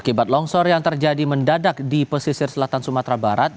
akibat longsor yang terjadi mendadak di pesisir selatan sumatera barat